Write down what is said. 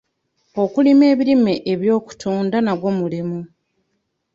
Okulima ebirime eby'okutunda nagwo mulimu.